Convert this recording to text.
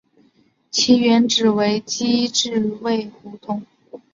其原址为机织卫胡同。